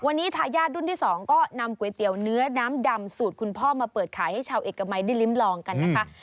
วันนี้ทายาทรุ่นที่๒ก็นำก๋วยเตี๋ยวเนื้อน้ำดำสูตรคุณพ่อมาเปิดขายให้ชาวเอกมัยได้ลิ้มลองกันนะคะ